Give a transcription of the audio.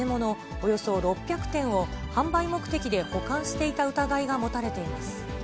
およそ６００点を、販売目的で保管していた疑いが持たれています。